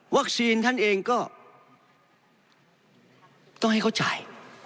วัคชีนท่านเองก็ต้องให้เขาจ่าย